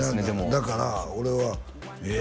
だから俺はええ